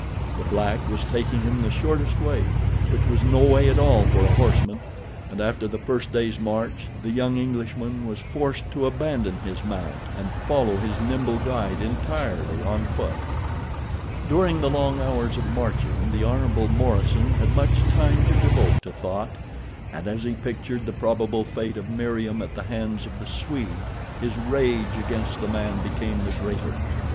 The black was taking him the shortest way, which was no way at all for a horseman, and after the first day's march the young Englishman was forced to abandon his mount, and follow his nimble guide entirely on foot. During the long hours of marching the Hon. Morison had much time to devote to thought, and as he pictured the probable fate of Meriem at the hands of the Swede his rage against the man became the greater.